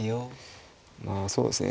まあそうですね